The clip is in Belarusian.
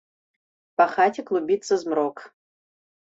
Па хаце клубіцца змрок.